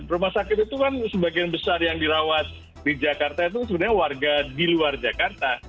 rumah sakit itu kan sebagian besar yang dirawat di jakarta itu sebenarnya warga di luar jakarta